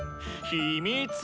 ひみつ。